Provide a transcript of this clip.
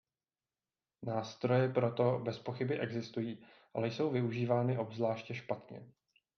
Nástroje pro to bezpochyby existují, ale jsou využívány obzvláště špatně.